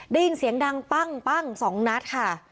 ได้ยินเสียงดังปั้งสองนัดค่ะ